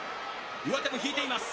上手を引いています。